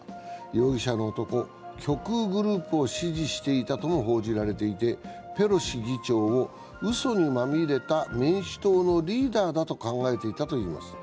容疑者の男、極右グループを支持していたとも報じられていてペロシ議長をうそにまみれた民主党のリーダーだと考えていたといいます。